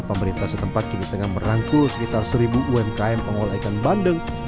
pemerintah setempat kini tengah merangkul sekitar seribu umkm pengolah ikan bandeng